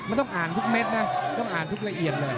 มันต้องอ่านทุกเม็ดนะต้องอ่านทุกละเอียดเลย